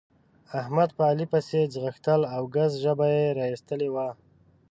احمد په علي پسې ځغستل او ګز ژبه يې را اېستلې وه.